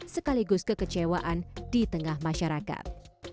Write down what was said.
sekaligus kekecewaan di tengah masyarakat